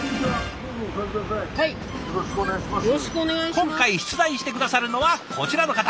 今回出題して下さるのはこちらの方。